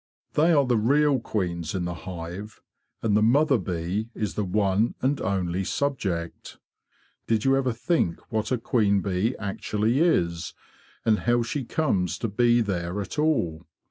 They are the real queens in the hive, and the mother bee is the one and only subject. .Did you ever think what a queen bee actually is, and how she comes to be there at all?